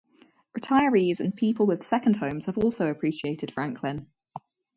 Retirees and people with second homes have also appreciated Franklin.